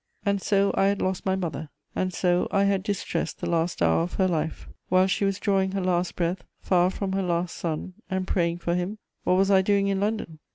And so I had lost my mother; and so I had distressed the last hour of her life! While she was drawing her last breath far from her last son, and praying for him, what was I doing in London?